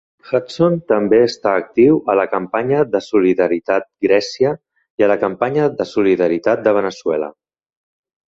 Hudson també està actiu a la Campanya de solidaritat Grècia i a la Campanya de solidaritat de Veneçuela.